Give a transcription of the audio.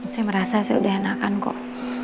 saya merasa saya udah enakan kok